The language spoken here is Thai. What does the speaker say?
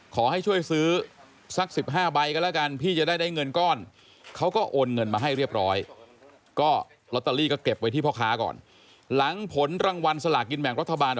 ขอให้ช่วยซื้อสัก๑๕ใบก็แล้วกัน